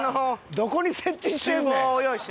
どこに設置してんねん！